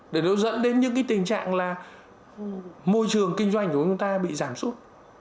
để nó dẫn đến những cái tình trạng là môi trường kinh doanh của chúng ta bị giảm sút